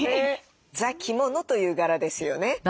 「ザ・着物」という柄ですよね。